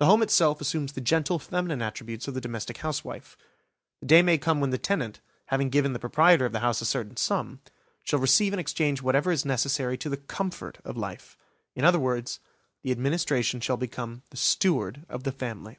The home itself assumes the gentle feminine attributes of the domestic housewife. The day may come when the tenant, having given the proprietor of the house a certain sum, shall receive in exchange whatever is necessary to the comfort of life; in other words, the administration shall become the steward of the family.